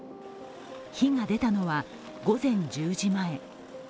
火が出たのは午前１０時前。